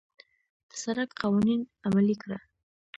د سړک قوانين عملي کړه.